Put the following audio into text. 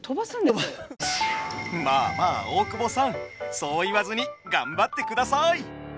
まあまあ大久保さんそう言わずに頑張ってください！